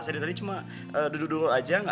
saya dari tadi cuma duduk duduk aja